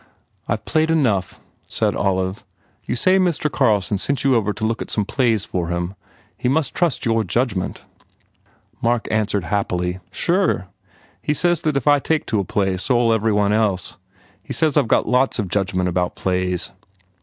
"I ve played enough," said Olive. "You say Mr. Carlson sent you over to look at some plays for him? He must trust your judgment." Mark answered happily, "Sure. He says that if I take to a play so ll every one else. He says I ve got lots of judgment about plays."